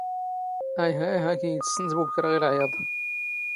ⴰⵢⵀⴰⵢⵀ ⴰ ⴽⵢⵢ ⵜⵙⵙⵏⵜ ⴱⵓⴱⴽⵔ ⵖ ⵉⵍⵄⵢⴰⴹ.